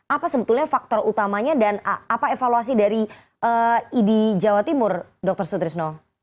apa sebetulnya faktor utamanya dan apa evaluasi dari idi jawa timur dr sutrisno